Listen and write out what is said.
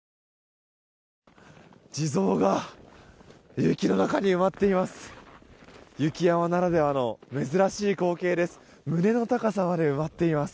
地蔵が雪の中に埋まっています。